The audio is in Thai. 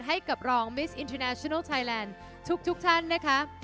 ให้กับรองมิสอินทุนาชิโนไทยแลนด์ทุกท่านนะคะ